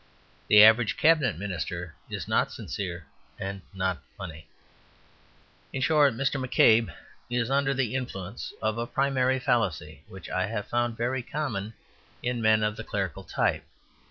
The average Cabinet Minister is not sincere and not funny. In short, Mr. McCabe is under the influence of a primary fallacy which I have found very common in men of the clerical type.